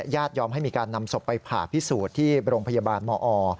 ยอมให้มีการนำศพไปผ่าพิสูจน์ที่โรงพยาบาลมอ